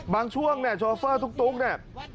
ช่วงเนี่ยโชเฟอร์ตุ๊กเนี่ย